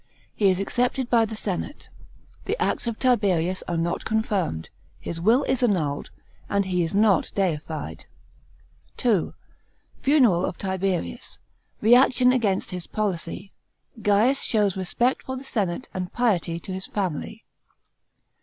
He is accepted by the senate. The acts of Tiberius are not confirmed, his will is annulled, and he is not deified § 2. Funeral of Tiberius. Reaction against his policy. Gaius shows respect for the senate and piety to his family.